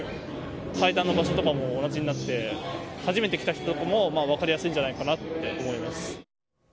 階段の場所とかも同じになって、初めて来た人とかも分かりやすいんじゃないかなと思います。